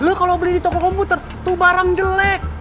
lo kalau beli di toko komputer tuh barang jelek